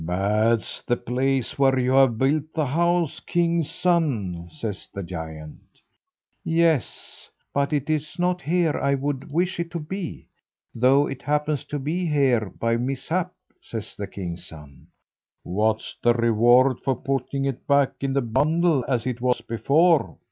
"Bad's the place where you have built the house, king's son," says the giant. "Yes, but it is not here I would wish it to be, though it happens to be here by mishap," says the king's son. "What's the reward for putting it back in the bundle as it was before?"